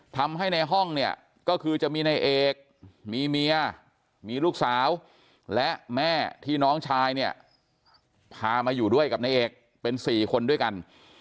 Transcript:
ทำให้ในห้องเนี่ยก็คือจะมีในเอกมีเมียมีลูกสาวและแม่ที่น้องชายเนี่ยพามาอยู่ด้วยกับนายเอกเป็น๔คนด้วยกัน